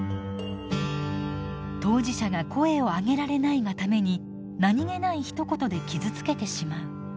当事者が声を上げられないがために何気ないひと言で傷つけてしまう。